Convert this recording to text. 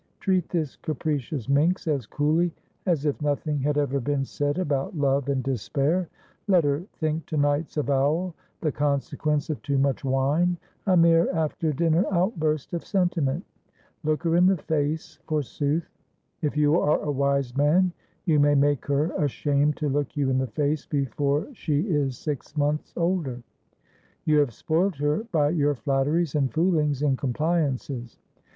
Treat this capricious minx as coolly as if nothing had ever been said about love and despair. Let her think to night's avowal the consequence of too much wine — a mere after dinner outburst of sentiment. Look her in the face, forsooth ! If you are a wise man, you may make her ashamed to look you in the face before she is six months older. You have spoilt her by your flatteries and foolings and compliances.